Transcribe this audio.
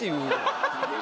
ハハハハ。